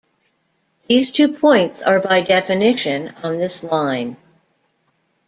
These two points are by definition on this line.